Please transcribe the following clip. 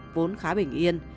vốn khá bình yên